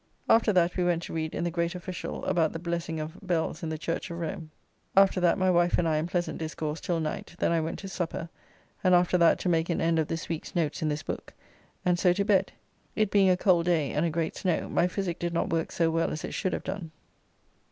After that we went to read in the great Officiale about the blessing of bells in the Church of Rome. After that my wife and I in pleasant discourse till night, then I went to supper, and after that to make an end of this week's notes in this book, and so to bed. It being a cold day and a great snow my physic did not work so well as it should have done.